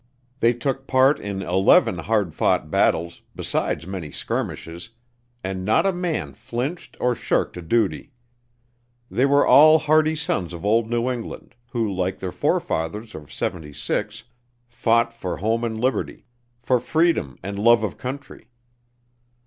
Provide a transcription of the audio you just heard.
They took part in eleven hard fought battles, besides many skirmishes, and not a man flinched or shirked a duty! They were all hardy sons of old New England, who, like their forefathers of '76, fought for home and liberty; for freedom and love of country.